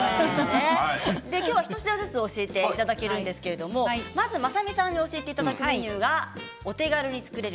今日は一品ずつ教えていただくんですがまさみさんに教えていただくメニューはお手軽に作れる